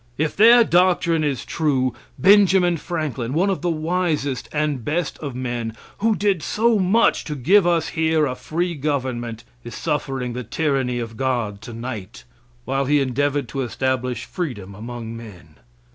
If their doctrine is true, Benjamin Franklin, one of the wisest, and best of men, who did so much to give us here a free government, is suffering the tyranny of God tonight, while he endeavored to establish freedom among men.